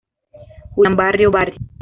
Julián Barrio Barrio.